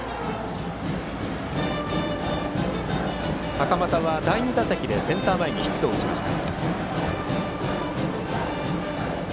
袴田は第２打席でセンター前にヒットを打ちました。